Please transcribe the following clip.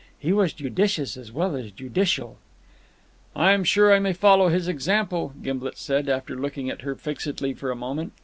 "He was judicious as well as judicial." "I am sure I may follow his example," Gimblet said, after looking at her fixedly for a moment.